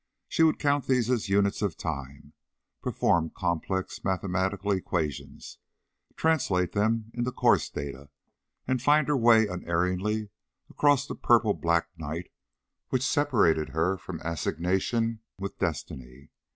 She would count these as units of time, perform complex mathematical equations, translate them into course data, and find her way unerringly across the purple black night which separated her from her assignation with destiny.